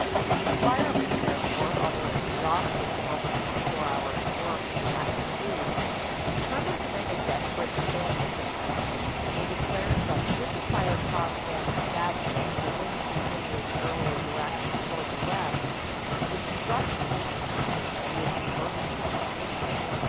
The firemen, therefore, although exhausted from over twenty four hours' work and lack of food, determined to make a desperate stand at this point. They declared that should the fire cross Van Ness Avenue and the wind continue its earlier direction toward the west, the destruction of San Francisco would be virtually complete.